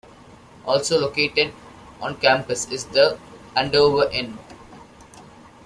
Also located on campus is The Andover Inn.